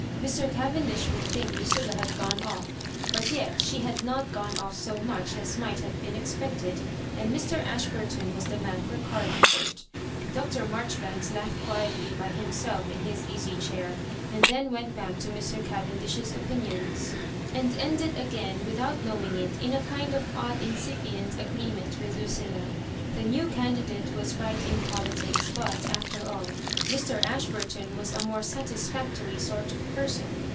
Mr. Caven dish would think Lucilla had gone off; but yet she had not gone off so much as might have been expected, and Mr. Ashburton was the man for Carlingford. Dr. Maijoribanks laughed qui etly by himself in his easy chair, and then went back to Mr. Cavendish's opinions, and ended again, without knowing it, in a kind of odd incipient agreement with Lucilla. The new candidate was right in politics ; but, after all, Mr. Ashburton was a more satisfactory sort of person.